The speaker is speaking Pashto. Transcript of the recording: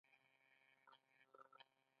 د اروپا له لوڅو جامو، لنډو لمنو،